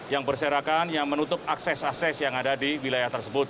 yang berserakan yang menutup akses akses yang ada di wilayah tersebut